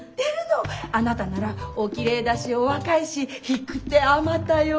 あなたならおきれいだしお若いし引く手あまたよ。